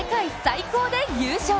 世界最高で優勝。